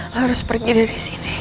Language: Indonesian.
harus pergi dari sini